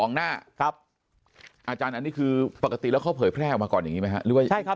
๕๒หน้าครับอาจารย์อันนี้คือปกติแล้วเขาเผยแพร่ออกมาก่อนอย่างนี้ไหมครับ